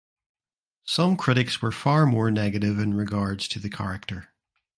Some critics were far more negative in regards to the character.